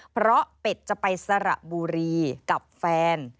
เพราะเป็ดจะไปสระบุรีกับแฟน